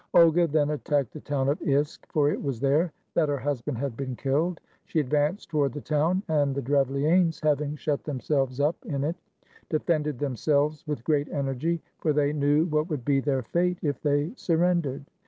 Olga then attacked the town of Isk, for it was there that her husband had been killed; she advanced toward the town, and the Drevlianes having shut themselves up in it, defended themselves with great energy; for they knew what would be their fate if they surrendered.